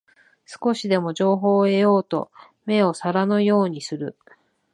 少しでも情報を得ようと目を皿のようにする